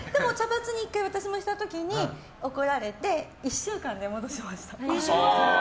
でも１回、私も茶髪にした時に怒られて、１週間で戻しました。